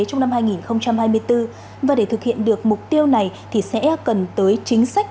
trong năm hai nghìn hai mươi bốn và để thực hiện được mục tiêu này thì sẽ cần tới chính sách